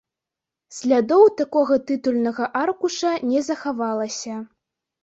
Слядоў такога тытульнага аркуша не захавалася.